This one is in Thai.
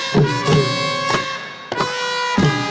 เฮ้เฮ้เฮ้